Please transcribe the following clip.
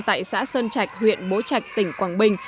tại xã sơn trạch huyện bố trạch tỉnh quảng bình